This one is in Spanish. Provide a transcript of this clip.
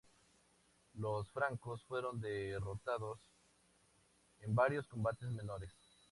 Los francos fueron derrotados en varios combates menores.